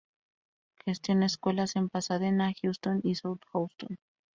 Gestiona escuelas en Pasadena, Houston, y South Houston.